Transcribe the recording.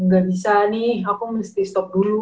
gak bisa nih aku mesti stop dulu